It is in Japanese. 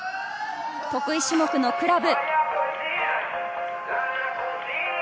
得意種目のクラブ。